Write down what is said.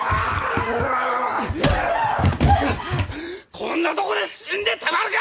こんなとこで死んでたまるか！！